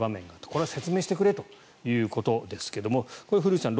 これは説明してくれということですがこれ、古内さん